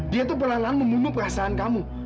dia tuh pelan pelan memunuh perasaan kamu